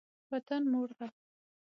وطن مور ده.